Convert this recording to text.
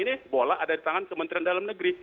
ini bola ada di tangan kementerian dalam negeri